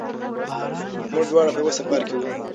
موږ دواړه په یوه سفر کې وو.